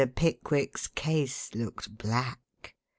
Pickwick's case looked black.